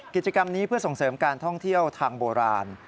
กิจกรรมนี้เพื่อส่งเสริมการท่องเที่ยวทางโบราณ